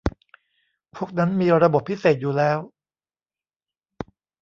พวกนั้นมีระบบพิเศษอยู่แล้ว